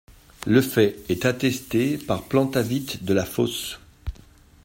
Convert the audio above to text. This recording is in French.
Le fait est attesté par Plantavit de la Fosse.